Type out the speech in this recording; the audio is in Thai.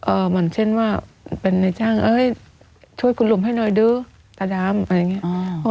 เหมือนเช่นว่าเป็นในจ้างเอ้ยช่วยคุณหลุมให้หน่อยเด้อตาดำอะไรอย่างเงี้